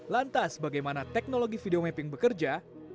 lantas bagaimana teknologi video mapping bekerja